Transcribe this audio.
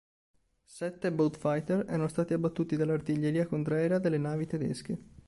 Sette Beaufighter erano stati abbattuti dalla artiglieria contraerea delle navi tedesche.